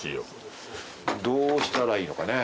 どうしたらいいのかね